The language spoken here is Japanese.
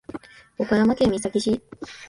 岡山県美作市